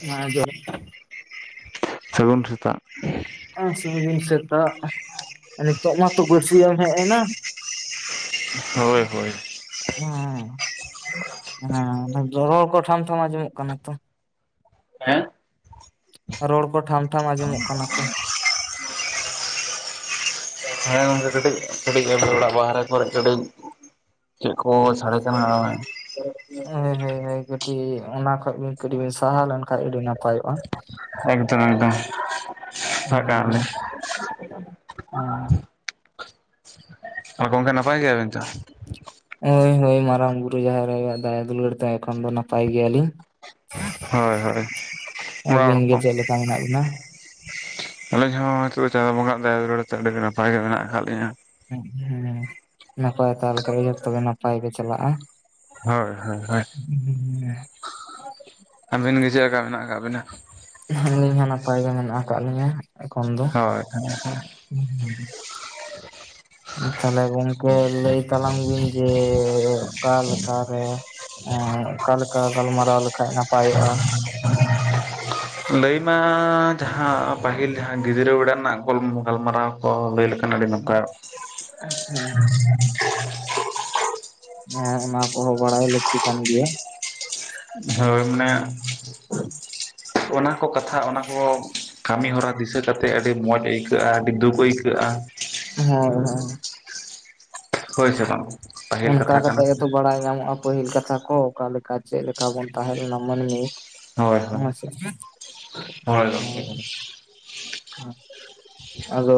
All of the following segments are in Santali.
ᱦᱮᱸ ᱡᱚᱦ ᱥᱟᱹᱜᱩᱱ ᱥᱮᱛᱟᱜ ᱥᱟᱜᱤᱱ ᱥᱮᱛᱟᱜ ᱱᱤᱛᱚᱜ ᱢᱟᱛᱚ ᱵᱟᱹᱲᱥᱤᱭ ᱮᱢ ᱦᱮᱡ ᱮᱱᱟ ᱦᱳᱭ ᱦᱳᱭ ᱦᱮᱸ ᱦᱮᱸ ᱨᱚᱲ ᱠᱚ ᱴᱷᱟᱢ ᱴᱷᱟᱢ ᱟᱸᱡᱚᱢᱚᱜ ᱠᱟᱱᱟ ᱛᱚ ᱦᱮᱸ ᱨᱚᱲ ᱠᱚ ᱴᱷᱟᱢ ᱴᱷᱟᱢ ᱟᱸᱡᱚᱢᱚᱜ ᱠᱟᱱᱟ ᱛᱚ ᱦᱮᱸ ᱜᱚᱝᱠᱮ ᱠᱟᱹᱴᱤᱡ ᱠᱟᱹᱴᱤᱡ ᱚᱲᱟᱜ ᱵᱟᱦᱨᱮ ᱠᱚᱨᱮ ᱠᱟᱹᱴᱤᱡ ᱪᱮᱫ ᱠᱚ ᱥᱟᱰᱮ ᱠᱟᱱᱟ ᱦᱮᱸ ᱦᱳᱭ ᱦᱳᱭ ᱠᱟᱹᱴᱤᱡ ᱚᱱᱟ ᱠᱷᱚᱡ ᱵᱤᱱ ᱠᱟᱹᱴᱤᱡ ᱵᱤᱱ ᱥᱟᱦᱟ ᱞᱮᱱ ᱠᱷᱟᱱ ᱟᱹᱰᱤ ᱱᱟᱯᱟᱭᱚᱜᱼᱟ ᱮᱠᱫᱚᱢ ᱮᱠᱫᱚᱢ ᱪᱟᱞᱟᱜ ᱦᱩᱸ ᱠᱟᱱᱟᱞᱤᱧ ᱦᱮᱸ ᱟᱨ ᱜᱚᱢᱠᱮ ᱱᱟᱯᱟᱭ ᱜᱮᱭᱟᱵᱤᱱ ᱛᱚ ᱦᱳᱭ ᱦᱳᱭ ᱢᱟᱨᱟᱝ ᱵᱩᱨᱩ ᱡᱟᱦᱮᱨ ᱟᱭᱳ ᱟᱜ ᱫᱟᱭᱟ ᱫᱩᱞᱟᱹᱲ ᱛᱮ ᱮᱠᱷᱚᱱ ᱫᱚ ᱱᱟᱯᱟᱭ ᱜᱮᱭᱟᱞᱤᱧ ᱦᱳᱭ ᱦᱳᱭ ᱚᱲᱟᱜ ᱦᱚᱲ ᱟᱵᱤᱱ ᱜᱮ ᱠᱚ ᱪᱮᱫ ᱞᱮᱠᱟ ᱢᱮᱱᱟᱜ ᱵᱤᱱᱟ ᱟᱹᱞᱤᱧ ᱦᱚᱸ ᱦᱚᱭᱛᱚ ᱪᱟᱸᱫᱳ ᱵᱚᱸᱜᱟ ᱟᱜ ᱫᱟᱭᱟ ᱫᱩᱞᱟᱹᱲ ᱛᱮ ᱟᱹᱰᱤ ᱱᱟᱯᱟᱭ ᱜᱮ ᱢᱮᱱᱟᱜ ᱟᱠᱟᱫ ᱞᱤᱧᱟ ᱦᱮᱸ ᱦᱮᱸ ᱱᱟᱯᱟᱭ ᱛᱟᱦᱮ ᱞᱮᱠᱷᱟᱡ ᱜᱮ ᱛᱚᱵᱮ ᱱᱟᱯᱟᱭ ᱜᱮ ᱪᱟᱞᱟᱜᱼᱟ ᱦᱳᱭ ᱦᱳᱭ ᱦᱳᱭ [unintelligible] ᱟᱹᱵᱤᱱ ᱜᱮ ᱪᱮᱫ ᱞᱮᱠᱟ ᱢᱮᱱᱟᱜ ᱟᱠᱟᱫ ᱵᱤᱱᱟ ᱟᱹᱞᱤᱧ ᱦᱚᱸ ᱱᱟᱯᱟᱭ ᱜᱮ ᱢᱮᱱᱟᱜ ᱟᱠᱟᱫ ᱞᱤᱧᱟ ᱦᱳᱭ ᱦᱮᱸ ᱦᱮᱸ [unintelligible] ᱛᱟᱦᱚᱞᱮ ᱜᱚᱝᱠᱮ ᱞᱟᱹᱭ ᱛᱟᱞᱟᱝ ᱵᱤᱱ ᱡᱮ ᱚᱠᱟᱞᱮᱠᱟ ᱨᱮ ᱚᱠᱟᱞᱮᱠᱟ ᱜᱟᱞᱢᱟᱨᱟᱣ ᱞᱮᱠᱷᱟᱡ ᱱᱟᱯᱟᱭᱚᱜᱼᱟ ᱞᱟᱹᱭ ᱢᱟ ᱡᱟᱦᱟᱸ ᱯᱟᱹᱦᱤᱞ ᱡᱟᱦᱟᱸ ᱜᱤᱫᱽᱨᱟᱹ ᱵᱮᱲᱟ ᱨᱮᱱᱟᱜ ᱜᱟᱞᱢᱟᱨᱟᱣ ᱚ ᱞᱟᱸᱭ ᱞᱮᱠᱷᱟᱱ ᱟᱹᱰᱤ ᱱᱟᱯᱟᱭ ᱦᱮᱸ ᱚᱱᱟ ᱠᱚᱦᱚᱸ ᱵᱟᱲᱟᱭ ᱞᱟᱹᱠᱛᱤ ᱠᱟᱱ ᱜᱮᱭᱟ ᱦᱳᱭ ᱢᱟᱱᱮ ᱚᱱᱟ ᱠᱚ ᱠᱟᱛᱷᱟ ᱚᱱᱟ ᱠᱚ ᱠᱟᱹᱢᱤ ᱦᱚᱨᱟ ᱫᱤᱥᱟᱹ ᱠᱟᱛᱮᱫ ᱟᱹᱰᱤ ᱢᱚᱡᱽ ᱟᱹᱭᱠᱟᱹᱜᱼᱟ ᱟᱹᱰᱤ ᱫᱩᱠ ᱟᱹᱭᱠᱟᱹᱜᱼᱟ ᱦᱳᱭ ᱦᱳᱭ ᱦᱳᱭ ᱥᱮ ᱵᱟᱝ ᱯᱟᱹᱦᱤᱞ ᱚᱱᱠᱟ ᱠᱟᱛᱷᱟ ᱠᱟᱱᱟ ᱠᱟᱛᱮᱜ ᱥᱮ ᱜᱮᱛᱚ ᱵᱟᱲᱟᱭ ᱧᱟᱢᱚᱜᱼᱟ ᱯᱟᱹᱦᱤᱞ ᱠᱟᱛᱷᱟ ᱠᱚ ᱚᱠᱟᱞᱮᱠᱟ ᱪᱮᱫ ᱞᱮᱠᱟ ᱵᱚᱱ ᱛᱟᱦᱮᱸ ᱞᱮᱱᱟ ᱢᱟᱹᱱᱢᱤ [inaudible] ᱦᱳᱭ ᱦᱳᱭ ᱦᱳᱭ ᱜᱚᱝᱠᱮ ᱦᱮᱸ ᱟᱫᱚ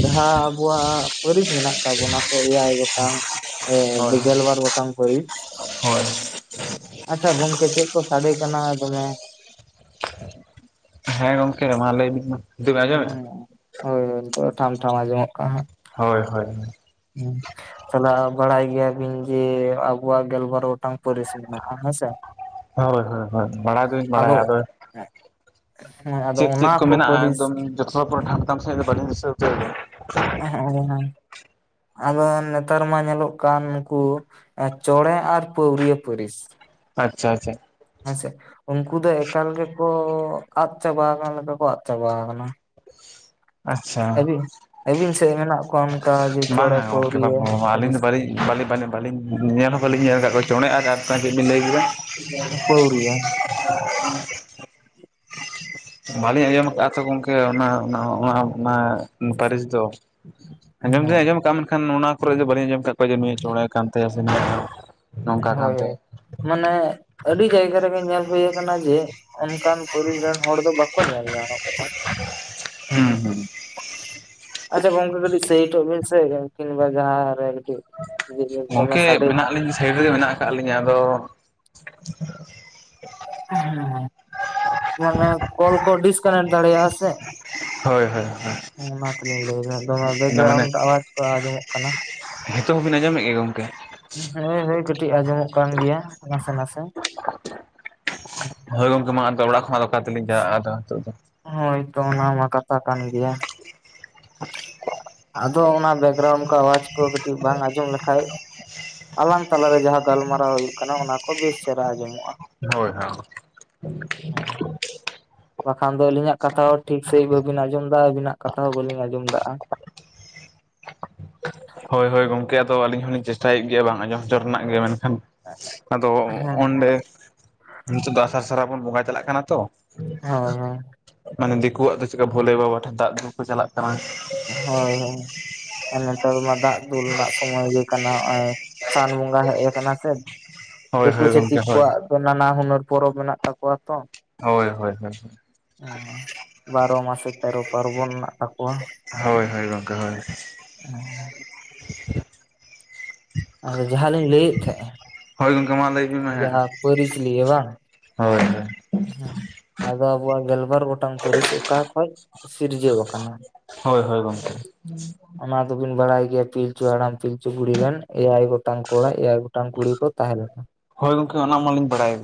ᱡᱟᱦᱟᱸ ᱟᱵᱚᱣᱟᱜ ᱯᱟᱹᱨᱤᱥ ᱢᱮᱱᱟᱜ ᱛᱟᱵᱚᱱᱟ ᱥᱮ ᱮᱭᱟᱭ ᱜᱚᱴᱟᱝ ᱦᱳᱭ ᱮ ᱜᱮᱞᱵᱟᱨ ᱜᱚᱴᱟᱝ ᱯᱟᱹᱨᱤᱥ ᱦᱳᱭ ᱟᱪᱪᱷᱟ ᱜᱚᱝᱠᱮ ᱪᱮᱫ ᱠᱚ ᱥᱟᱰᱮ ᱠᱟᱱᱟ ᱫᱚᱢᱮ ᱦᱮᱸ ᱜᱚᱢᱠᱮ ᱢᱟ ᱞᱟᱹᱭ ᱵᱤᱱ ᱢᱟ ᱟᱸᱡᱚᱢᱮᱜ ᱟᱢ ᱦᱳᱭ ᱦᱳᱭ ᱱᱤᱛᱳᱜ ᱫᱚ ᱴᱷᱟᱢ ᱴᱷᱟᱢ ᱟᱸᱡᱚᱢᱚᱜ ᱠᱟᱱᱟ ᱦᱟᱸᱜ ᱦᱳᱭ ᱦᱳᱭ ᱦᱩᱸ ᱛᱟᱦᱚᱞᱮ ᱵᱟᱲᱟᱭ ᱜᱮᱭᱟᱵᱤᱱ ᱡᱮ ᱟᱵᱚᱣᱟᱜ ᱜᱮᱞᱵᱟᱨ ᱜᱚᱴᱟᱝ ᱯᱟᱹᱨᱤᱥ ᱢᱮᱱᱟᱜᱼᱟ ᱦᱮᱸᱥᱮ ᱦᱳᱭ ᱦᱳᱭ ᱦᱳᱭ ᱵᱟᱲᱟᱭ ᱫᱚᱞᱤᱧ ᱵᱟᱲᱟᱭᱟ ᱟᱫᱚ ᱦᱮᱸ ᱟᱫᱚ ᱚᱱᱟ ᱠᱚ ᱯᱟᱹᱨᱤᱥ [unintelligible] ᱯᱚᱨᱮ ᱴᱷᱟᱢ ᱥᱟᱦᱤᱡ ᱫᱚ ᱵᱟᱞᱤᱧ ᱫᱤᱥᱟᱩᱪᱟᱹᱭᱮᱫᱟ᱾ [unintelligible] ᱟᱫᱚ ᱱᱮᱛᱟᱨ ᱢᱟ ᱧᱮᱞᱚᱜ ᱠᱟᱱ ᱱᱩᱠᱩ ᱪᱚᱬᱮ ᱟᱨ ᱯᱟᱹᱣᱲᱤᱭᱟᱹ ᱯᱟᱹᱨᱤᱥ ᱟᱪᱪᱷᱟ ᱟᱪᱪᱷᱟ ᱦᱮᱸᱥᱮ ᱩᱱᱠᱩ ᱫᱚ ᱮᱠᱟᱞ ᱜᱮᱠᱚ ᱟᱫ ᱪᱟᱵᱟ ᱟᱠᱟᱱᱟ ᱞᱮᱠᱟ ᱠᱚ ᱟᱫ ᱪᱟᱵᱟ ᱟᱠᱟᱱᱟ ᱟᱪᱪᱷᱟ ᱟᱹᱵᱤᱱ ᱟᱹᱵᱤᱱ ᱥᱮᱫ ᱢᱮᱱᱟᱜ ᱠᱚᱣᱟ ᱚᱱᱠᱟ ᱡᱮ ᱪᱚᱬᱮ ᱵᱟᱝᱼᱟ ᱜᱚᱝᱠᱮ ᱵᱟ ᱯᱟᱹᱣᱨᱤᱭᱟᱹ ᱟᱹᱞᱤᱧ ᱯᱟᱹᱨᱤᱥ ᱫᱚ [inaudible] ᱵᱟᱞᱤ ᱵᱟᱞᱤᱧ ᱵᱟᱹᱞᱤᱧ ᱧᱮᱞ ᱦᱚᱸ ᱵᱟᱹᱞᱤᱧ ᱧᱮᱞ ᱟᱠᱟᱫ ᱠᱚᱣᱟ ᱪᱚᱸᱬᱮ ᱟᱨ ᱟᱨ ᱢᱤᱫᱴᱟᱝ ᱪᱮᱫ ᱵᱤᱱ ᱞᱟᱹᱭ ᱠᱮᱫᱟ ᱯᱟᱹᱣᱨᱤᱭᱟᱹ ᱵᱟᱹᱞᱤᱧ ᱟᱸᱡᱚᱢ ᱟᱠᱟᱫᱼᱟ ᱛᱚ ᱜᱚᱢᱠᱮ ᱚᱱᱟ ᱚᱱᱟ ᱚᱱᱟ ᱯᱟᱹᱨᱤᱥ ᱫᱚ ᱟᱸᱡᱚᱢ ᱦᱮᱸ ᱫᱩᱧ ᱟᱸᱡᱚᱢ ᱠᱟᱜᱼᱟ ᱢᱮᱱᱠᱷᱟᱱ ᱚᱱᱟ ᱠᱚᱨᱮ ᱵᱟᱹᱞᱤᱧ ᱟᱸᱡᱚᱢ ᱠᱟᱜ ᱠᱚᱣᱟ ᱡᱮ ᱱᱩᱭ ᱫᱚ ᱪᱚᱸᱬᱮ ᱠᱟᱱ ᱛᱟᱭᱟ ᱥᱮ ᱱᱚᱝᱠᱟ ᱦᱳᱭ ᱠᱟᱱ ᱦᱳᱭ ᱛᱟᱭᱟ ᱢᱟᱱᱮ ᱟᱹᱰᱤ ᱡᱟᱭᱜᱟ ᱨᱮᱜᱮ ᱧᱮᱞ ᱦᱩᱭ ᱟᱠᱟᱱᱟ ᱡᱮ ᱚᱱᱠᱟᱱ ᱯᱟᱹᱨᱤᱥ ᱨᱮᱱ ᱦᱚᱲ ᱫᱚ ᱵᱟᱠᱚ ᱧᱮᱞ ᱧᱟᱢ ᱦᱩᱸ ᱦᱩᱸ [unintelligible] ᱟᱪᱪᱷᱟ ᱜᱚᱝᱠᱮ ᱠᱟᱴᱤᱡ ᱥᱟᱭᱤᱰ ᱚᱜ ᱵᱤᱱᱥᱮ ᱠᱟᱴᱤᱡ ᱠᱤᱝᱵᱟ ᱡᱟᱦᱟᱨᱮ ᱠᱟᱴᱤᱡ ᱜᱚᱝᱠᱮ ᱢᱮᱱᱟᱜ ᱞᱤᱧ ᱥᱟᱭᱤᱰ ᱨᱮᱜᱮ ᱢᱮᱱᱟᱜ ᱟᱠᱟᱫ ᱞᱤᱧᱟᱹ ᱟᱫᱚ ᱦᱮᱸ ᱢᱟᱱᱮ ᱠᱚᱞ ᱠᱚ ᱰᱤᱥᱠᱟᱱᱮᱠᱴ ᱫᱟᱲᱮᱭᱟᱜᱼᱟ ᱥᱮ ᱦᱳᱭ ᱦᱳᱭ ᱦᱮᱸ ᱚᱱᱟ ᱛᱮᱞᱤᱧ ᱞᱟᱹᱭ ᱵᱮ ᱫᱚᱢᱮ ᱚᱱᱟ ᱵᱮᱠᱜᱨᱩᱱ ᱢᱟᱱᱮ ᱟᱣᱟᱡ ᱠᱚ ᱟᱸᱡᱚᱢᱚᱜ ᱠᱟᱱᱟ ᱱᱤᱛᱚᱜ ᱦᱚᱸᱵᱤᱱ ᱟᱸᱡᱚᱢᱮᱫ ᱜᱮ ᱜᱚᱢᱠᱮ ᱦᱳᱭ ᱦᱳᱭ ᱠᱟᱹᱴᱤᱡ ᱟᱸᱡᱚᱢᱚᱜ ᱠᱟᱱ ᱜᱮᱭᱟ ᱱᱟᱥᱮ ᱱᱟᱥᱮ ᱦᱳᱭ ᱜᱚᱝᱠᱮ ᱢᱟ ᱟᱫᱚ ᱚᱲᱟᱜ ᱠᱷᱚᱱ ᱫᱚ ᱚᱠᱟ ᱛᱮᱞᱤᱧ ᱪᱟᱞᱟᱜᱼᱟ ᱟᱫᱚ ᱱᱤᱛ ᱫᱚ ᱦᱳᱭ ᱛᱚ ᱚᱱᱟ ᱢᱟ ᱠᱟᱛᱷᱟ ᱠᱟᱱ ᱜᱮᱭᱟ ᱟᱫᱚ ᱚᱱᱟ ᱵᱮᱠᱜᱨᱟᱣᱩᱱᱰ ᱠᱚ ᱟᱣᱟᱡ ᱠᱚ ᱠᱟᱹᱴᱤᱡ ᱵᱟᱝ ᱟᱸᱡᱚᱢ ᱞᱮᱠᱷᱟᱡ ᱟᱞᱟᱝ ᱛᱟᱞᱟᱨᱮ ᱡᱟᱦᱟᱸ ᱜᱟᱞᱢᱟᱨᱟᱣ ᱦᱩᱭᱩᱜ ᱠᱟᱱᱟ ᱚᱱᱟ ᱠᱚ ᱵᱮᱥ ᱪᱮᱦᱨᱟ ᱟᱸᱡᱚᱢᱚᱜᱼᱟ ᱦᱳᱭ ᱦᱳᱭ ᱦᱮᱸ [unintelligible] ᱵᱟᱠᱷᱟᱱ ᱫᱚ ᱟᱹᱞᱤᱧᱟᱜ ᱠᱟᱛᱷᱟ ᱦᱚᱸ ᱵᱟᱠᱷᱟᱱ ᱫᱚ ᱟᱞᱤᱧᱟᱜ ᱠᱟᱛᱷᱟ ᱦᱚᱸ ᱴᱷᱤᱠ ᱥᱟᱺᱦᱤᱡ ᱵᱟᱹᱵᱤᱱ ᱟᱸᱡᱚᱢ ᱮᱫᱟ ᱟᱹᱵᱤᱱᱟᱜ ᱠᱟᱛᱷᱟ ᱦᱚᱸ ᱵᱟᱹᱞᱤᱧ ᱟᱸᱡᱚᱢ ᱮᱫᱟ ᱦᱳᱭ ᱦᱳᱭ ᱜᱚᱝᱠᱮ ᱟᱫᱚ ᱟᱹᱞᱤᱧ ᱦᱚᱞᱤᱧ ᱪᱮᱥᱴᱟᱭᱮᱫ ᱜᱮᱭᱟ ᱵᱟᱝ ᱟᱸᱡᱚᱢ ᱦᱚᱪᱚ ᱨᱮᱱᱟᱜ ᱜᱮ ᱢᱮᱱᱠᱷᱟᱱ ᱟᱫᱚ ᱚᱸᱰᱮ ᱱᱤᱛᱳᱜ ᱫᱚ ᱟᱥᱟᱲ ᱥᱟᱨᱟ ᱵᱚᱱ ᱵᱚᱸᱜᱟ ᱪᱟᱞᱟᱜ ᱠᱟᱱᱟ ᱛᱚ ᱦᱳᱭ ᱦᱳᱭ ᱢᱟᱱᱮ ᱫᱤᱠᱩᱣᱟᱜ ᱫᱚ ᱪᱮᱠᱟ ᱵᱷᱳᱞᱮ ᱵᱟᱵᱟ ᱴᱷᱮᱱ ᱫᱟᱜ ᱫᱩᱞ ᱠᱚ ᱪᱟᱞᱟᱜ ᱠᱟᱱᱟ ᱦᱳᱭ ᱦᱳᱭ ᱟᱨ ᱱᱮᱛᱟᱨ ᱢᱟ ᱫᱟᱜ ᱫᱩᱞ ᱨᱮᱱᱟᱜ ᱥᱚᱢᱚᱭ ᱜᱮ ᱠᱟᱱᱟ ᱱᱚᱜᱼᱚᱭ ᱥᱟᱱ ᱵᱚᱸᱜᱟ ᱦᱮᱡ ᱟᱠᱟᱱᱟ ᱥᱮ ᱦᱳᱭ ᱫᱩᱠᱩ ᱦᱳᱭ ᱜᱚᱢᱠᱮ ᱪᱷᱟᱛᱤᱠ ᱦᱳᱭ ᱠᱚᱣᱟᱜ ᱱᱟᱱᱟ ᱦᱩᱱᱟᱹᱨ ᱯᱚᱨᱚᱵᱽ ᱢᱮᱱᱟᱜ ᱛᱟᱠᱚᱣᱟ ᱛᱚ ᱦᱳᱭ ᱦᱳᱭ ᱦᱳᱭ ᱦ ᱵᱟᱨᱚ ᱢᱟᱥᱮ ᱛᱮᱨᱚ ᱯᱟᱨᱵᱚᱱ ᱦᱳᱭ ᱦᱳᱭ ᱜᱚᱝᱠᱮ ᱦᱳᱭ ᱟ ᱡᱟᱦᱟᱸ ᱞᱤᱧ ᱞᱟᱹᱭᱮᱫ ᱛᱟᱦᱮᱸᱱᱟ ᱦᱚᱭ ᱜᱚᱝᱠᱮ ᱢᱟ ᱞᱟᱭ ᱡᱟᱦᱟᱸ ᱯᱟᱹᱨᱤᱥ ᱞᱤᱭᱮ ᱵᱟᱝ ᱦᱳᱭ ᱦᱳᱭ ᱟᱫᱚ ᱟᱵᱚᱣᱟᱜ ᱜᱮᱞᱵᱟᱨ ᱜᱚᱴᱟᱝ ᱯᱟᱹᱨᱤᱥ ᱚᱠᱟ ᱠᱷᱚᱱ ᱥᱤᱨᱡᱟᱹᱣ ᱟᱠᱟᱱᱟ ᱦᱳᱭ ᱦᱳᱭ ᱜᱚᱝᱠᱮ ᱚᱱᱟ ᱫᱚᱵᱤᱱ ᱵᱟᱲᱟᱭ ᱜᱮᱭᱟ ᱯᱤᱞᱪᱩ ᱚᱱᱟ ᱫᱚᱵᱮᱱ ᱵᱟᱰᱟᱭ ᱜᱮᱭᱟ ᱯᱤᱞᱪᱷᱩ ᱦᱟᱲᱟᱢ ᱯᱤᱞᱪᱩ ᱵᱩᱲᱦᱤ ᱨᱮᱱ ᱮᱭᱟᱭ ᱜᱚᱴᱟᱝ ᱠᱚᱲᱟ ᱮᱭᱟᱭ ᱜᱚᱴᱟᱝ ᱠᱩᱲᱤ ᱠᱚ ᱛᱟᱦᱮᱸ ᱞᱮᱱᱟ ᱦᱳᱭ ᱜᱚᱝᱠᱮ ᱚᱱᱟ ᱢᱟᱞᱤᱧ ᱵᱟᱲᱟᱭᱮᱫ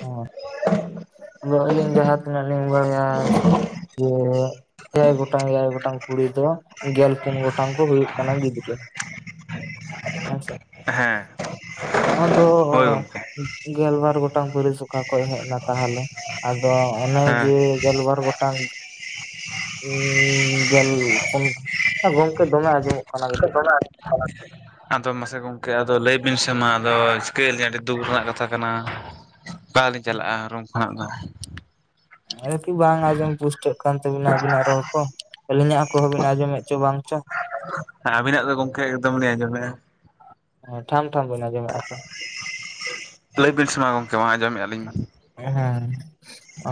ᱦ ᱦ [inaudible] ᱟᱫᱚ ᱟᱞᱤᱧ ᱡᱟᱦᱟᱸ ᱛᱤᱱᱟᱜ ᱵᱟᱲᱟᱭᱟ ᱥᱮ ᱮᱭᱟᱭ ᱜᱚᱴᱟᱝ ᱮᱭᱟᱭ ᱜᱚᱴᱟᱝ ᱠᱩᱲᱤ ᱫᱚ ᱜᱮᱞ ᱯᱩᱱ ᱜᱚᱴᱟᱝ ᱠᱚ ᱦᱩᱭᱩᱜ ᱠᱟᱱᱟ ᱜᱤᱫᱽᱨᱟᱹ ᱟᱮᱸᱪᱷᱟ ᱦᱮᱸ [unintelligible] ᱟᱫᱚ ᱦᱳᱭ ᱜᱚᱢᱠᱮ ᱜᱮᱞᱵᱟᱨ ᱜᱚᱴᱟᱝ ᱯᱟ. ᱨᱤᱥ ᱚᱠᱟ ᱠᱷᱚᱱ ᱦᱮᱡ ᱱᱟ ᱛᱟᱦᱚᱞᱮ ᱟᱫᱚ ᱚᱱᱮ ᱦᱮᱸ ᱡᱮ ᱜᱮᱞᱵᱟᱨ ᱜᱚᱴᱟᱝ ᱦᱮᱸ ᱜᱮᱞ ᱯᱚᱱ ᱜᱚᱝᱠᱮ ᱫᱚᱢᱮ ᱟᱡᱚᱢᱚᱜ ᱫᱚᱢ [unintelligible] ᱟᱫᱚ ᱢᱟᱥᱮ ᱜᱚᱢᱠᱮ ᱟᱫᱚ ᱞᱟᱹᱭ ᱵᱤᱱ ᱥᱮ ᱢᱟ ᱟᱫᱚ ᱪᱤᱠᱟᱹᱭ ᱟᱞᱤᱧ ᱟᱹᱰᱤ ᱫᱩᱠ ᱨᱮᱱᱟᱜ ᱠᱟᱛᱷᱟ ᱠᱟᱱᱟ ᱚᱠᱟᱞᱤᱧ ᱪᱟᱞᱟᱜᱼᱟ ᱨᱩᱢ ᱠᱷᱚᱱᱟᱜ ᱫᱚ ᱠᱤ ᱵᱟᱝ ᱟᱸᱡᱚᱢ ᱯᱩᱥᱴᱟᱹᱜ ᱠᱟᱱ ᱛᱟᱹᱵᱤᱱᱟ ᱟᱵᱤᱱᱟᱜ ᱨᱚᱲ ᱠᱚ ᱟᱹᱞᱤᱧᱟᱜ ᱠᱚᱦᱚ ᱵᱤᱱ ᱟᱸᱡᱚᱢᱮᱫ ᱪᱚ ᱵᱟᱝ ᱪᱚ ᱟᱵᱤᱱᱟᱜ ᱫᱚ ᱜᱚᱝᱠᱮ ᱮᱠᱫᱚᱢ ᱞᱤᱧ ᱟᱸᱡᱚᱢᱮᱜᱼᱟ ᱦᱚᱸ ᱴᱷᱟᱢ ᱴᱷᱟᱢ ᱵᱤᱱ ᱟᱸᱡᱚᱢᱚᱜ ᱛᱚ ᱞᱟᱹᱭᱵᱤᱱ ᱥᱮ ᱢᱟ ᱜᱚᱢᱠᱮ ᱢᱟ ᱟᱸᱡᱚᱢᱮᱫᱼᱟ ᱞᱤᱧ ᱢᱟ ᱦᱮᱸ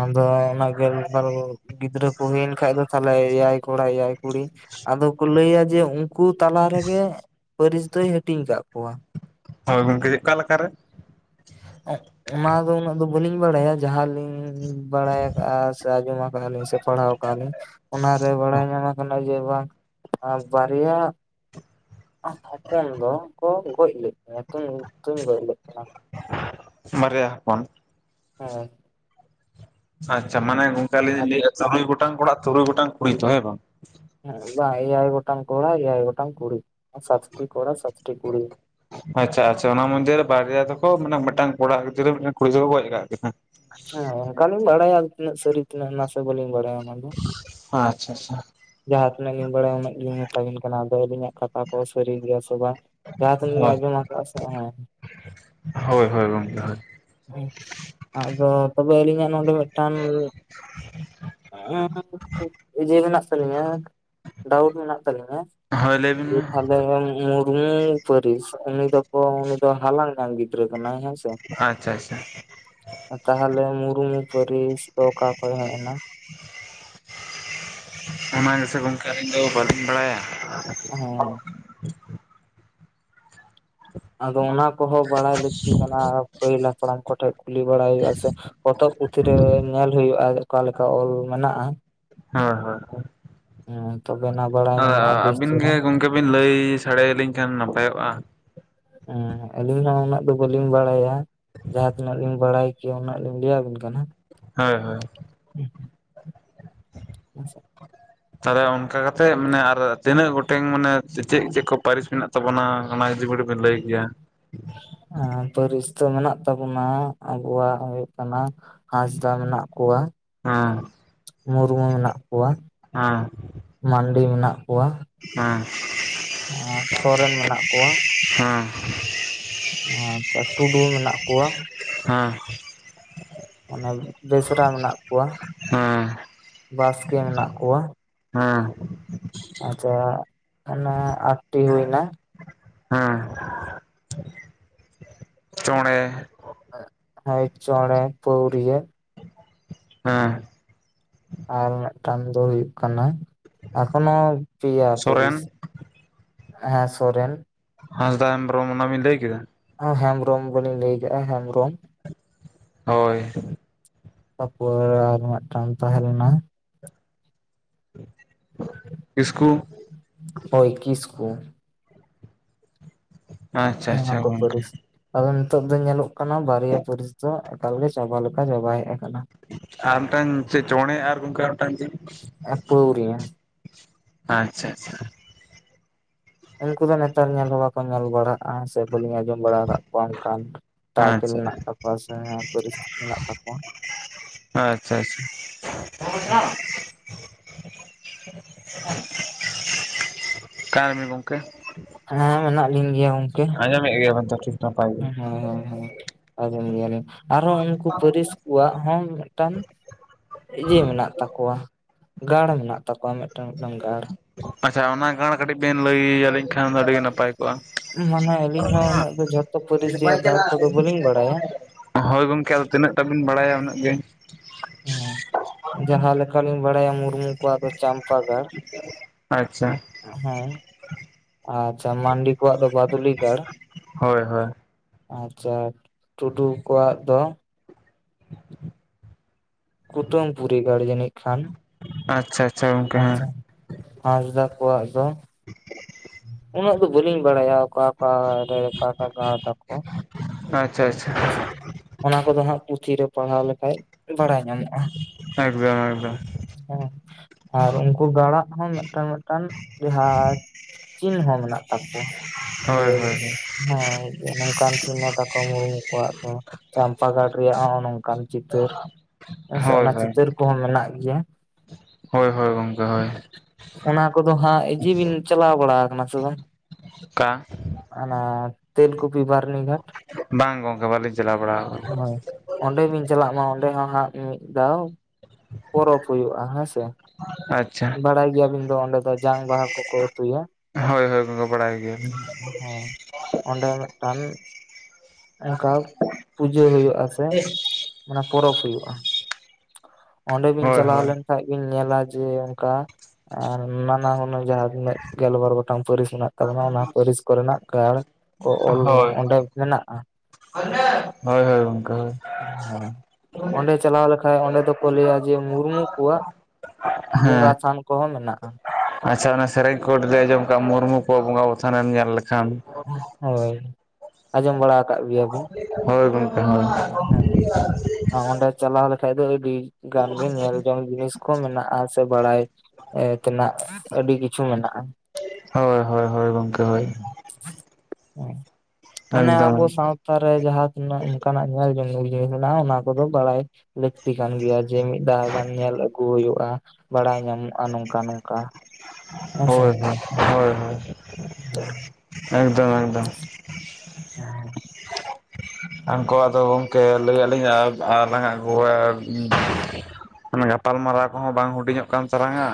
ᱟᱫᱚ ᱚᱱᱟ ᱜᱮᱞ ᱵᱟᱨ ᱜᱤᱫᱽᱨᱟᱹ ᱠᱚ ᱦᱩᱭᱮᱱ ᱠᱷᱟᱡ ᱫᱚ ᱛᱟᱦᱮᱞᱮ ᱮᱭᱟᱭ ᱠᱚᱲᱟ ᱮᱭᱟᱭ ᱠᱩᱲᱤ ᱟᱫᱚ ᱠᱚ ᱞᱟᱹᱭᱟ ᱡᱮ ᱩᱱᱠᱩ ᱛᱟᱞᱟ ᱨᱮᱜᱮ ᱯᱟᱹᱨᱤᱥ ᱫᱚᱭ ᱦᱟᱹᱴᱤᱧ ᱟᱠᱟᱫ ᱠᱚᱣᱟ ᱦᱳᱭ ᱜᱚᱝᱠᱮ ᱚᱠᱟ ᱞᱮᱠᱟᱨᱮ ᱚᱱᱟ ᱫᱚ ᱩᱱᱟᱹᱜ ᱫᱚ ᱵᱟᱹᱞᱤᱧ ᱵᱟᱰᱟᱭᱟ ᱡᱟᱦᱟᱸᱞᱤᱧ ᱵᱟᱲᱟᱭ ᱟᱠᱟᱜ-ᱟ ᱥᱮ ᱟᱸᱡᱚᱢ ᱟᱠᱟᱜ-ᱟ ᱞᱤᱧ ᱥᱮ ᱯᱟᱲᱦᱟᱣ ᱟᱠᱟᱜᱼᱟ ᱞᱤᱧ ᱚᱱᱟ ᱨᱮ ᱵᱟᱲᱟᱭ ᱧᱟᱢ ᱟᱠᱟᱱᱟ ᱡᱮ ᱵᱟᱝ ᱟᱢ ᱵᱟᱨᱭᱟ ᱟᱨ ᱦᱚᱯᱚᱱ ᱫᱚ ᱠᱚ ᱜᱚᱡ ᱞᱮᱫ ᱠᱤᱱᱟ ᱛᱩᱧ ᱛᱩᱧ ᱜᱚᱡ ᱞᱮᱫ ᱠᱤᱱᱟ ᱵᱟᱨᱭᱟ ᱦᱚᱯᱚᱱ ᱦᱚᱸ ᱟᱪᱪᱷᱟ ᱢᱟᱱᱮ ᱜᱚᱝᱠᱮ ᱟᱹᱞᱤᱧ ᱟᱫᱚ ᱞᱟᱹᱭᱮᱫᱼᱟ ᱛᱩᱨᱩᱭ ᱜᱚᱴᱟᱝ ᱠᱚᱲᱟ ᱛᱩᱨᱩᱭ ᱜᱚᱴᱟᱝ ᱠᱩᱲᱤ ᱛᱚ ᱦᱮᱸ ᱵᱟᱝ ᱦᱮᱸᱜ ᱵᱟᱝ ᱮᱭᱟᱭ ᱜᱚᱴᱟᱝ ᱠᱚᱲᱟ ᱮᱭᱟᱭ ᱜᱚᱴᱟᱝ ᱠᱩᱲᱤ ᱥᱟᱛᱴᱤ ᱠᱚᱲᱟ ᱥᱟᱛᱴᱤ ᱠᱩᱲᱤ ᱟᱪᱪᱷᱟ ᱟᱪᱪᱷᱟ ᱚᱱᱟ ᱢᱚᱫᱽᱫᱷᱮ ᱨᱮ ᱵᱟᱨᱭᱟ ᱫᱚᱠᱚ ᱢᱟᱱᱮ ᱢᱤᱫᱴᱟᱝ ᱠᱚᱲᱟ ᱜᱤᱫᱽᱨᱟᱹ ᱢᱤᱫᱴᱟᱝ ᱠᱩᱲᱤ ᱜᱤᱫᱽᱨᱟᱹ ᱠᱚ ᱜᱚᱡ ᱟᱠᱟᱫ ᱠᱤᱱᱟ ᱦᱮᱸ ᱚᱱᱠᱟ ᱞᱤᱧ ᱵᱟᱲᱟᱭᱟ ᱛᱤᱱᱟᱹᱜ ᱥᱟᱹᱨᱤ ᱠᱟᱱᱟ ᱱᱟᱥᱮ ᱵᱟᱹᱞᱤᱧ ᱵᱟᱲᱟᱭᱟ ᱚᱱᱟ ᱫᱚ ᱟᱪᱪᱷᱟ ᱪᱷᱟ ᱡᱟᱦᱟᱸ ᱛᱤᱱᱟᱹᱜ ᱞᱤᱧ ᱵᱟᱲᱟᱭᱟ ᱩᱱᱟᱹᱜ ᱜᱮ ᱞᱤᱧ ᱢᱮᱛᱟ ᱵᱤᱱ ᱠᱟᱱᱟ ᱟᱫᱚ ᱟᱹᱞᱤᱱᱟᱜ ᱠᱟᱛᱷᱟ ᱠᱚ ᱦᱚᱸ ᱥᱟᱹᱨᱤ ᱜᱮᱭᱟ ᱥᱮ ᱵᱟᱝ ᱡᱟᱦᱟᱸ ᱛᱤᱱᱟᱜ ᱞᱤᱧ ᱦᱳᱭ ᱟᱸᱡᱚᱢ ᱟᱠᱟᱫᱟ ᱦᱩᱸ ᱦᱳᱭ ᱦᱳᱭ ᱜᱚᱝᱠᱮ ᱦᱳᱭ᱾ ᱟᱫᱚ ᱛᱚᱵᱮ ᱟᱹᱞᱤᱧᱟᱜ ᱱᱚᱰᱮ ᱢᱤᱫᱴᱟᱝ ᱠᱷᱩᱵ ᱤᱭᱟᱹᱮ ᱢᱮᱱᱟᱜ ᱛᱟᱹᱟᱞᱤᱧᱟ ᱰᱟᱣᱩᱴ ᱢᱮᱱᱟᱜ ᱛᱟᱹᱟᱞᱤᱧᱟ ᱦᱳᱭ ᱞᱟᱹᱭ ᱵᱤᱱ ᱢᱟ [unintelligible] ᱩᱸᱢ ᱯᱟᱹᱨᱤᱥ ᱩᱱᱤ ᱫᱚᱠᱚ ᱩᱱᱤ ᱫᱚ ᱦᱟᱞᱟᱝ ᱧᱟᱢ ᱜᱤᱫᱽᱨᱟᱹ ᱠᱟᱱᱟᱭ ᱦᱮᱸ ᱥᱮ ᱟᱪᱪᱷᱟ ᱪᱷᱟ ᱪᱷᱟ ᱛᱟᱦᱮᱞᱮ ᱢᱩᱨᱢᱩ ᱯᱟᱹᱨᱤᱥ ᱫᱚ ᱚᱠᱟ ᱠᱷᱚᱡ ᱦᱮᱡ ᱱᱟ ᱚᱱᱟ ᱜᱮᱥᱮ ᱜᱚᱝᱠᱮ ᱟᱹᱞᱤᱧ ᱫᱚ ᱵᱟᱹᱞᱤᱧ ᱵᱟᱲᱟᱭᱟ ᱦᱚᱸ ᱟᱫᱚ ᱚᱱᱟ ᱠᱚᱦᱚᱸ ᱵᱟᱲᱟᱭ ᱞᱟᱹᱠᱛᱤ ᱠᱟᱱᱟ ᱯᱟᱹᱦᱤᱞ ᱦᱟᱯᱲᱟᱢ ᱠᱚ ᱴᱷᱮᱡ ᱠᱩᱞᱤ ᱵᱟᱲᱟᱭ ᱦᱩᱭᱩᱜ-ᱟ ᱥᱮ ᱯᱚᱛᱚᱵ ᱯᱩᱛᱷᱤ ᱨᱮ ᱧᱮᱞ ᱦᱩᱭᱩᱜᱼᱟ ᱚᱠᱟ ᱞᱮᱠᱟ ᱚᱞ ᱢᱮᱱᱟᱜᱼᱟ ᱦᱳᱭ ᱦᱳᱭ ᱦᱳᱭ ᱦᱮᱸ ᱛᱚᱵᱮ ᱱᱟᱯ ᱟ ᱟ ᱟᱹᱵᱤᱱ ᱜᱮ ᱜᱚᱝᱠᱮ ᱵᱤᱱ ᱞᱟᱹᱭ ᱥᱟᱰᱮ ᱭᱟᱞᱤᱧ ᱠᱷᱟᱱ ᱱᱟᱯᱟᱭᱚᱜᱼᱟ ᱦᱩᱸ ᱟᱹᱞᱤᱧ ᱦᱚᱸ ᱩᱱᱟᱹᱜ ᱫᱚ ᱵᱟᱹᱞᱤᱧ ᱵᱟᱲᱟᱭᱟ ᱡᱟᱦᱟᱸ ᱛᱤᱱᱟᱹᱜ ᱞᱤᱧ ᱵᱟᱲᱟᱭ ᱠᱮᱭᱟ ᱩᱱᱟᱹᱜ ᱞᱤᱧ ᱞᱟᱹᱭ ᱟᱵᱤᱱ ᱠᱟᱱᱟ ᱦᱳᱭ ᱦᱳᱭ ᱩᱸᱜ ᱱᱟᱥᱮᱜ ᱛᱟᱦᱚᱞᱮ ᱚᱱᱠᱟ ᱠᱟᱛᱮᱜ ᱢᱟᱱᱮ ᱟᱨ ᱛᱤᱱᱟᱹᱜ ᱜᱚᱴᱮᱱ ᱢᱟᱱᱮ ᱪᱮᱫ ᱪᱮᱫ ᱠᱚ ᱯᱟᱹᱨᱤᱥ ᱢᱮᱱᱟᱜ ᱛᱟᱵᱚᱱᱟ ᱚᱱᱟ ᱤᱫᱤ ᱵᱟᱹᱲᱤᱡ ᱵᱮᱱ ᱞᱟᱹᱭ ᱠᱮᱭᱟ ᱟᱨ ᱯᱟᱹᱨᱤᱥ ᱫᱚ ᱢᱮᱱᱟᱜ ᱛᱟᱵᱚᱱᱟ ᱟᱵᱚᱣᱟᱜ ᱦᱩᱭᱩᱜ ᱠᱟᱱᱟ ᱦᱟᱸᱥᱫᱟ ᱢᱮᱱᱟᱜ ᱠᱚᱣᱟ ᱦᱮᱸ ᱢᱩᱨᱢᱩ ᱢᱮᱱᱟᱜ ᱠᱚᱣᱟ ᱦᱮᱸ ᱢᱟᱱᱰᱤ ᱢᱮᱱᱟᱜ ᱠᱚᱣᱟ ᱦᱮᱸ ᱟᱨ ᱥᱚᱨᱮᱱ ᱢᱮᱱᱟᱜ ᱠᱚᱣᱟ ᱦᱮᱸ ᱟᱪᱪᱷᱟ ᱴᱩᱰᱩ ᱢᱮᱱᱟᱜ ᱠᱚᱣᱟ ᱦᱮᱸ ᱚᱱᱟ ᱵᱮᱥᱨᱟ ᱢᱮᱱᱟᱜ ᱠᱚᱣᱟ ᱦᱮᱸ ᱵᱟᱥᱠᱮ ᱢᱮᱱᱟᱜ ᱠᱚᱣᱟ ᱦᱮᱸ ᱟᱪᱪᱷᱟ ᱚᱱᱟ ᱟᱴᱴᱤ ᱦᱩᱭᱱᱟ ᱦᱮᱸ ᱪᱚᱬᱮ ᱦᱚᱭ ᱪᱚᱬᱮ ᱯᱟᱹᱣᱨᱤᱭᱟᱹ ᱦᱮᱸ ᱟᱨ ᱢᱤᱫᱴᱟᱝ ᱫᱚ ᱦᱩᱭᱩᱜ ᱠᱟᱱᱟ ᱮᱠᱷᱚᱱᱚ ᱯᱮᱭᱟ ᱥᱚᱨᱮᱱ ᱯᱟᱹᱨᱤᱥ ᱦᱮᱸ ᱥᱚᱨᱮᱱ ᱦᱟᱸᱥᱫᱟ ᱦᱮᱢᱵᱨᱚᱢ ᱚᱱᱟ ᱵᱤᱱ ᱞᱟᱹᱭ ᱠᱮᱫᱟ ᱦᱮᱸ ᱦᱮᱢᱵᱽᱨᱚᱢ ᱵᱚᱞᱤᱧ ᱞᱟᱹᱭᱠᱮᱜᱼᱟ ᱦᱮᱢᱵᱽᱨᱚᱢ ᱦᱳᱭ ᱛᱟᱯᱚᱨ ᱟᱨ ᱢᱤᱫᱴᱟᱝ ᱛᱟᱦᱮᱸ ᱞᱮᱱᱟ ᱤᱥᱠᱩ ᱦᱳᱭ ᱠᱤᱥ ᱠᱩ ᱟᱪᱪᱷᱟ ᱦᱮᱸ ᱟᱪᱪᱷᱟ ᱦᱟᱠᱳ ᱜᱚᱝᱠᱮ ᱯᱟᱨᱤᱥ ᱟᱫᱚ ᱱᱤᱛᱚᱜ ᱫᱚ ᱧᱮᱞᱚᱜ ᱠᱟᱱᱟ ᱵᱟᱨᱭᱟ ᱯᱟᱨᱤᱥ ᱫᱚ ᱮᱠᱟᱞ ᱜᱮ ᱪᱟᱵᱟ ᱞᱮᱠᱟ ᱪᱟᱵᱟ ᱦᱮᱡ ᱟᱠᱟᱱᱟ ᱟᱨ ᱢᱤᱴᱟᱝ ᱪᱮᱫ ᱪᱚᱬᱮ ᱟᱨ ᱜᱚᱝᱠᱮ ᱢᱤᱴᱟᱝ ᱪᱮᱫ ᱮᱯ ᱯᱟᱹᱣᱨᱤᱭᱟᱹ ᱟᱪᱪᱷᱟ ᱟᱪᱪᱷᱟ ᱩᱱᱠᱩ ᱫᱚ ᱱᱮᱛᱟᱨ ᱧᱮᱞ ᱦᱚᱸ ᱵᱟᱠᱚ ᱧᱮᱞ ᱵᱟᱲᱟᱜᱼᱟ ᱥᱮ ᱵᱟᱞᱤᱧ ᱟᱸᱡᱚᱢ ᱵᱟᱲᱟ ᱟᱠᱟᱫ ᱠᱚᱣᱟ ᱴᱟᱭᱴᱮᱞ ᱟᱪᱪᱷᱟ ᱢᱮᱱᱟᱜ ᱛᱟᱠᱚᱣᱟ ᱥᱮ ᱯᱚᱨᱤᱥᱛᱷᱤᱛ ᱢᱮᱱᱟᱜ ᱛᱟᱠᱚᱣᱟ ᱟᱪᱪᱷᱟ ᱪᱷᱟ [inaudible] ᱚᱠᱟᱭ ᱱᱟᱵᱤᱱ ᱜᱚᱢᱠᱮ ᱦᱮᱸ ᱢᱮᱱᱟᱜ ᱞᱤᱧ ᱜᱮᱭᱟ ᱜᱚᱝᱠᱮ ᱜᱮᱭᱟᱵᱮᱱ ᱛᱚ ᱴᱷᱤᱠ ᱱᱟᱯᱟᱭ ᱜᱮ ᱟᱨᱦᱚ ᱩᱱᱠᱩ ᱯᱟᱹᱨᱤᱥ ᱠᱚᱣᱟᱜ ᱦᱚᱸ ᱢᱤᱫᱴᱟᱝ ᱤᱭᱟ ᱢᱮᱱᱟᱜ ᱛᱟᱠᱚᱣᱟ ᱜᱟᱲ ᱢᱮᱱᱟᱜ ᱛᱟᱠᱚᱣᱟ ᱢᱤᱫᱴᱟᱝ ᱜᱟᱲ ᱟᱪᱪᱷᱟ ᱚᱱᱟ ᱜᱟᱲ ᱠᱟᱹᱴᱤᱡ ᱵᱤᱱ ᱞᱟᱹᱭ ᱟᱹᱞᱤᱧ ᱠᱷᱟᱱ ᱫᱚ ᱟᱹᱰᱤ ᱜᱮ ᱱᱟᱯᱟᱭ ᱠᱚᱜᱼᱟ ᱢᱟᱱᱮ ᱟᱹᱞᱤᱧ ᱦᱚᱸ ᱩᱱᱟᱹᱜ ᱫᱚ ᱡᱷᱚᱛᱚ ᱯᱟᱹᱨᱤᱥ ᱨᱮᱭᱟᱜ ᱜᱟᱲ ᱠᱚᱫᱚ ᱵᱟᱹᱞᱤᱧ ᱵᱟᱲᱟᱭᱟ [inaudible] ᱦᱳᱭ ᱜᱚᱢᱠᱮ ᱟᱫᱚ ᱛᱤᱱᱟᱹᱜ ᱴᱟ ᱵᱤᱱ ᱵᱟᱲᱟᱭᱟ ᱩᱱᱟᱹᱜ ᱜᱮ ᱦᱮᱸ ᱡᱟᱦᱟᱸ ᱞᱮᱠᱟᱞᱤᱧ ᱵᱟᱲᱟᱭᱟ ᱢᱩᱨᱢᱩ ᱠᱚᱣᱟᱜ ᱫᱚ ᱪᱟᱢᱯᱟ ᱜᱟᱲ ᱟᱪᱪᱷᱟ ᱦᱚᱸ ᱟᱪᱷᱟ ᱢᱟᱱᱰᱤ ᱠᱚᱣᱟᱜ ᱫᱚ ᱵᱟᱫᱩᱞᱤ ᱜᱟᱲ ᱦᱳᱭ ᱦᱳᱭ ᱟᱪᱪᱷᱟ ᱴᱩᱰᱩ ᱠᱚᱣᱟᱜ ᱫᱚ ᱠᱩᱛᱟᱹᱢ ᱯᱚᱨᱤᱜᱟᱲ ᱡᱟᱹᱱᱤᱡ ᱠᱷᱟᱱ ᱟᱪᱪᱷᱟ - ᱟᱪᱪᱷᱟ ᱦᱟᱸᱥᱫᱟ ᱠᱚᱣᱟᱜ ᱫᱚ ᱩᱱᱟᱹᱜ ᱫᱚ ᱵᱟᱹᱞᱤᱧ ᱵᱟᱲᱟᱭᱟ ᱚᱠᱟ ᱚᱠᱟ ᱨᱮ ᱚᱠᱟ ᱚᱠᱟ ᱜᱟᱲ ᱛᱟᱠᱚ ᱟᱪᱪᱷᱟ ᱟᱪᱪᱷᱟ ᱟᱪᱷᱟ ᱚᱱᱟ ᱠᱚᱫᱚ ᱦᱟᱸᱜ ᱯᱩᱛᱷᱤ ᱨᱮ ᱯᱟᱲᱦᱟᱣ ᱞᱮᱠᱷᱟᱡ ᱵᱟᱰᱟᱭ ᱧᱟᱢᱚᱜᱼᱟ ᱮᱠᱫᱚᱢ ᱮᱠᱫᱚᱢ [unintelligible] ᱦᱮᱸ ᱟᱨ ᱩᱱᱠᱩ ᱜᱟᱬᱟ ᱠᱷᱚᱱ ᱢᱤᱫᱴᱟᱱ ᱢᱤᱫᱴᱟᱱ ᱡᱟᱦᱟᱸ ᱪᱤᱱᱦᱟᱹ ᱢᱮᱱᱟᱜ ᱛᱟᱠᱚᱣᱟ ᱦᱳᱭ ᱡᱮ ᱦᱳᱭ ᱱᱚᱝᱠᱟᱱ ᱪᱤᱱᱱᱚ ᱛᱟᱠᱚ ᱢᱩᱨᱢᱩ ᱚᱣᱟᱜ ᱫᱚ ᱪᱟᱢᱯᱟ ᱜᱟᱲ ᱨᱮᱭᱟᱜ ᱦᱚᱸᱜ-ᱚ ᱱᱚᱝᱠᱟᱱ ᱪᱤᱛᱟᱹᱨ ᱦᱮᱸᱥᱮ ᱦᱳᱭ ᱚᱱᱟ ᱦᱳᱭ ᱪᱤᱛᱟᱹᱨ ᱠᱚᱦᱚᱸ ᱢᱮᱱᱟᱜ ᱜᱤᱭᱟ ᱦᱳᱭ ᱦᱳᱭ ᱜᱚᱢᱠᱮ ᱦᱳᱭ ᱚᱱᱟ ᱠᱚᱫᱚ ᱦᱟᱸᱜ ᱤᱡᱤᱵᱤᱱ ᱪᱟᱞᱟᱣ ᱵᱟᱲᱟ ᱠᱟᱱᱟ ᱥᱮ ᱵᱟᱝ ᱠᱟ ᱚᱱᱮ ᱛᱮᱞᱠᱩᱯᱤ ᱵᱟᱨᱱᱤ ᱜᱷᱟᱴ ᱵᱟᱝ ᱜᱚᱝᱠᱮ ᱵᱟᱹᱞᱤᱧ ᱪᱟᱞᱟᱣ ᱵᱟᱲᱟ ᱠᱟᱱᱟ ᱦᱳᱭ ᱚᱸᱰᱮ ᱵᱤᱱ ᱪᱟᱞᱟᱜ ᱢᱟ ᱚᱸᱰᱮ ᱦᱚᱸ ᱦᱟᱸᱜ ᱢᱤᱫ ᱫᱷᱟᱣ ᱯᱚᱨᱚᱵᱽ ᱦᱩᱭᱩᱜᱼᱟ ᱦᱮᱸᱥᱮ ᱟᱪᱪᱷᱟ ᱵᱟᱲᱟᱭ ᱜᱤᱭᱟᱵᱤᱱ ᱫᱚ ᱚᱸᱰᱮ ᱫᱚ ᱡᱟᱝ ᱵᱟᱦᱟ ᱠᱚᱠᱚ ᱟᱛᱩᱭᱟ ᱦᱳᱭ ᱦᱳᱭ ᱜᱚᱢᱠᱮ ᱵᱟᱲᱟᱭ ᱜᱮᱭᱟ- ᱦᱮᱸ ᱚᱸᱰᱮ ᱢᱤᱫᱴᱟᱱ ᱚᱱᱠᱟ ᱯᱩᱡᱟᱹ ᱦᱩᱭᱩᱜᱼᱟ ᱥᱮ ᱚᱱᱟ ᱯᱚᱨᱚᱵᱽ ᱦᱩᱭᱩᱜᱼᱟ ᱚᱸᱰᱮ ᱵᱤᱱ ᱦᱳᱭ ᱪᱟᱞᱟᱣ ᱦᱳᱭ ᱞᱮᱱᱠᱷᱟᱡ ᱵᱤᱱ ᱧᱮᱞᱟ ᱡᱮ ᱚᱱᱠᱟ ᱟᱨ ᱱᱟᱱᱟ ᱦᱩᱱᱟᱹᱨ ᱡᱟᱦᱟᱸ ᱛᱤᱱᱟᱹᱜ ᱜᱮᱞ ᱵᱟᱨ ᱜᱚᱴᱟᱝ ᱯᱟᱹᱨᱤᱥ ᱢᱮᱱᱟᱜ ᱛᱟᱵᱚᱱᱟ ᱚᱱᱟ ᱯᱟᱹᱨᱤᱥ ᱠᱚᱨᱮᱱᱟᱜ ᱜᱟᱲ ᱠᱚ ᱚᱞ ᱦᱳᱭ ᱚᱸᱰᱮ ᱢᱮᱱᱟᱜᱼᱟ ᱦᱳᱭ ᱦᱳᱭ ᱜᱚᱝᱠᱮ ᱦᱳᱭ ᱚᱸᱰᱮ ᱪᱟᱞᱟᱣ ᱞᱮᱠᱷᱟᱡ ᱚᱸᱰᱮ ᱫᱚᱠᱚ ᱞᱟᱹᱭᱟ ᱡᱮ ᱢᱩᱨᱢᱩ ᱠᱚᱣᱟᱜ ᱵᱚᱸᱜᱟ ᱦᱮᱸ ᱛᱷᱟᱱ ᱠᱚᱦᱚᱸ ᱢᱮᱱᱟᱜᱼᱟ ᱟᱪᱪᱷᱟ ᱚᱱᱟ ᱥᱮᱨᱮᱧ ᱠᱷᱚᱴ ᱟᱸᱡᱚᱢ ᱠᱟᱜᱼᱟ ᱢᱩᱨᱢᱩ ᱠᱚᱣᱟᱜ ᱵᱚᱸᱜᱟ ᱵᱟᱛᱷᱟᱱᱮᱢ ᱧᱮᱞ ᱞᱮᱠᱷᱟᱱ ᱦᱳᱭ ᱟᱸᱡᱚᱢ ᱵᱟᱲᱟ ᱟᱠᱟᱫ ᱜᱮᱭᱟ ᱵᱤᱱ ᱦᱳᱭ ᱜᱚᱝᱠᱮ ᱦᱮᱸ ᱚᱸᱰᱮ ᱪᱟᱞᱟᱣ ᱞᱮᱠᱷᱟᱡ ᱫᱚ ᱟᱹᱰᱤ ᱜᱟᱱ ᱜᱮ ᱧᱮᱞ ᱡᱚᱝ ᱡᱤᱱᱤᱥ ᱠᱚ ᱢᱮᱱᱟᱜᱼᱟ ᱥᱮ ᱵᱟᱲᱟᱭ ᱮ ᱛᱮᱱᱟᱜ ᱟᱹᱰᱤ ᱠᱤᱪᱷᱩ ᱢᱮᱱᱟᱜᱼᱟ ᱦᱳᱭ ᱦᱳᱭ ᱦᱳᱭ ᱜᱚᱝᱠᱮ ᱦᱳᱭ ᱢᱟᱱᱮ ᱟᱵᱚ ᱮᱠᱫᱚᱢ ᱥᱟᱶᱛᱟ ᱨᱮ ᱡᱟᱦᱟᱸ ᱛᱤᱱᱟᱹᱜ ᱚᱱᱠᱟᱱᱟᱜ ᱧᱮᱞ ᱡᱚᱝ ᱡᱤᱱᱤᱥ ᱢᱮᱱᱟᱜᱼᱟ ᱚᱱᱟ ᱠᱚᱫᱚ ᱵᱟᱲᱟᱭ ᱞᱟᱹᱠᱛᱤ ᱠᱟᱱ ᱜᱮᱭᱟ ᱡᱮ ᱢᱤᱫ ᱫᱷᱟᱣ ᱜᱟᱱ ᱧᱮᱞ ᱟᱹᱜᱩ ᱦᱩᱭᱩᱜᱼᱟ ᱵᱟᱲᱟᱭ ᱧᱟᱢᱚᱜᱼᱟ ᱱᱚᱝᱠᱟ ᱱᱚᱝᱠᱟ ᱦᱮ ᱥᱮ ᱦᱳ ᱦᱚᱭ ᱮᱠᱫᱚᱢ ᱮᱠᱫᱚᱢ [inaudible] ᱦᱟᱱᱠᱩ ᱟᱫᱚ ᱜᱚᱢᱠᱮ ᱞᱟᱹᱭᱟᱞᱤᱧᱟ ᱟᱨᱞᱟᱝ ᱟᱹᱜᱩᱣᱟ ᱜᱟᱯᱟ [unintelligible] ᱜᱟᱞᱢᱟᱨᱟᱣᱜ ᱠᱚᱦᱚᱸ ᱵᱟᱝ ᱦᱩᱰᱤᱧᱚᱜ ᱠᱟᱱ ᱛᱟᱞᱟᱝᱼᱟ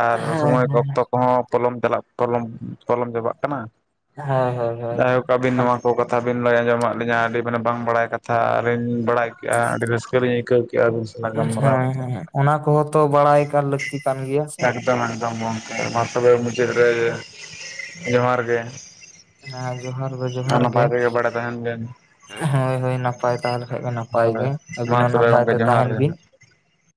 ᱟᱨ ᱦᱳᱭ ᱥᱚᱢᱚᱭ ᱦᱳᱭ ᱚᱠᱛᱚ ᱠᱚᱦᱚᱸ ᱯᱚᱞᱚᱢ ᱪᱟᱞᱟᱜ ᱯᱚᱞᱚᱢ ᱠᱚᱞᱚᱢ ᱪᱟᱵᱟᱜ ᱠᱟᱱᱟ ᱦᱮᱸ ᱦᱳᱭ ᱦᱳᱭ‌ ᱡᱟᱭᱦᱳᱠ ᱟᱹᱵᱤᱱ ᱱᱚᱣᱟ ᱠᱚ ᱠᱟᱛᱷᱟ ᱵᱤᱱ ᱞᱟᱹᱭ ᱟᱸᱡᱚᱢᱟᱜ ᱞᱤᱧᱟᱹ ᱟᱹᱰᱤ ᱢᱟᱱᱮ ᱵᱟᱝ ᱵᱟᱲᱟᱭ ᱠᱟᱛᱷᱟ ᱟᱨᱤᱧ ᱵᱟᱲᱟᱭ ᱠᱮᱫᱼᱟ ᱟᱹᱰᱤ ᱨᱟᱹᱥᱠᱟᱹᱞᱤᱧ ᱟᱹᱭᱠᱟᱹᱣ ᱠᱮᱫᱼᱟ ᱦᱮᱸ ᱦᱮᱸᱸ ᱚᱱᱟ ᱠᱚᱦᱚᱸ ᱛᱚ ᱵᱟᱲᱟᱭ ᱠᱟᱱ ᱞᱟᱹᱠᱛᱤ ᱠᱟᱱ ᱜᱮᱭᱟ ᱥᱮ ᱮᱠᱫᱚᱢ ᱜᱚᱢᱠᱮ ᱢᱟ ᱛᱚᱵᱮ ᱢᱩᱪᱟᱹᱫ ᱨᱮ ᱡᱚᱦᱟᱨ ᱜᱮ ᱦᱮᱸ ᱡᱚᱦᱟᱨ ᱜᱮ ᱚᱱᱟ ᱡᱚᱦᱟᱨ ᱱᱟᱯᱟᱭ ᱜᱮ ᱵᱟᱲᱮ ᱛᱟᱦᱮᱱ ᱵᱮᱱ ᱦᱳᱭ ᱦᱳᱭ ᱱᱟᱯᱟᱭ ᱛᱟᱦᱮᱸᱞᱮᱠᱷᱟᱡ ᱜᱮ ᱱᱟᱯᱟᱭ ᱜᱮ ᱦᱳᱭ ᱟᱵᱤᱱ ᱢᱟ ᱦᱚᱸ ᱛᱚᱵᱮ ᱱᱟᱯᱟᱭ ᱜᱚᱢᱠᱮ ᱛᱮ ᱡᱚᱦᱟᱨ ᱛᱟᱦᱮᱱ ᱜᱮ ᱵᱤᱱ